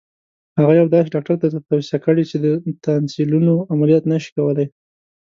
هغه یو داسې ډاکټر درته توصیه کړي چې د تانسیلونو عملیات نه شي کولای.